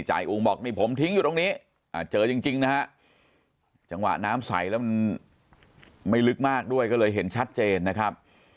อุ้งบอกนี่ผมทิ้งอยู่ตรงนี้เจอจริงนะฮะจังหวะน้ำใสแล้วมันไม่ลึกมากด้วยก็เลยเห็นชัดเจนนะครับ